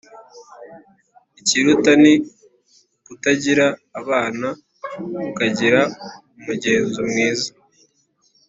Ikiruta ni ukutagira abana ukagira umugenzo mwiza,